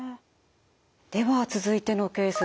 では続いてのケースです。